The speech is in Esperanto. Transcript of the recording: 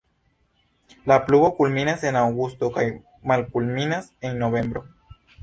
La pluvo kulminas en aŭgusto kaj malkulminas en novembro.